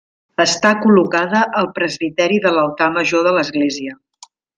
Està col·locada al presbiteri de l'altar major de l'església.